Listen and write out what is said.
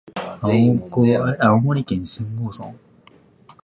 青森県新郷村